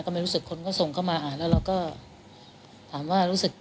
ไม่รู้สึกคนก็ส่งเข้ามาอ่านแล้วเราก็ถามว่ารู้สึก